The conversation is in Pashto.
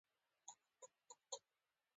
ښځو تر اوسه افغانستان ندې پلورلی